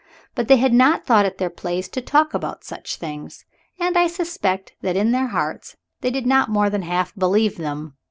But they had not thought it their place to talk about such things, and I suspect that in their hearts they did not more than half believe them.